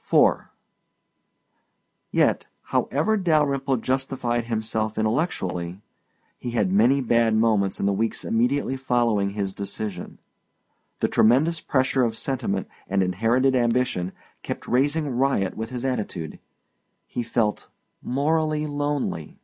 IV Yet, however Dalyrimple justified himself intellectually, he had many bad moments in the weeks immediately following his decision. The tremendous pressure of sentiment and inherited ambition kept raising riot with his attitude. He felt morally lonely.